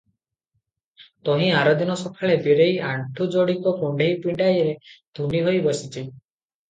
ତହିଁ ଆରଦିନ ସଖାଳେ ବୀରେଇ ଆଣ୍ଠୁ ଯୋଡିକ କୁଣ୍ଢେଇ ପିଣ୍ଡାରେ ତୁନି ହୋଇ ବସିଛି ।